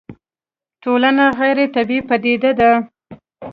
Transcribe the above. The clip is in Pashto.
ټولنه غيري طبيعي پديده ده